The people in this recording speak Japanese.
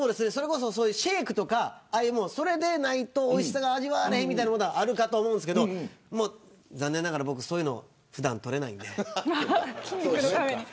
シェークとかそれでないと、おいしさが味われへんみたいなことはあるかと思うんすけど残念ながら僕そういうの普段取れないので。